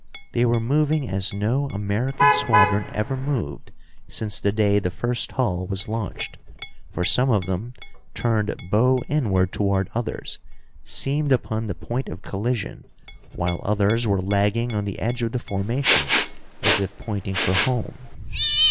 They were moving as no American squadron ever moved since the day the first hull was launched, for some of them, turned bow inward toward others, seemed upon the point of collision, while others were lagging on the edge of the formation, as if pointing for home.